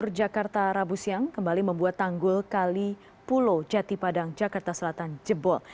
gubernur jakarta rabu siang kembali membuat tanggul kali pulo jati padang jakarta selatan jebol